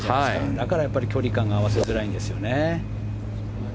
だから距離感が合わせづらいんですよね。